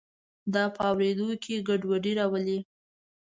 دا په اوریدو کې ګډوډي راولي.